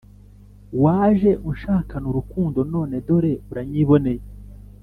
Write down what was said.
Waje unshakana urukundo none dore uranyiboneye